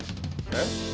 えっ！